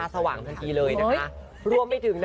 สาธุ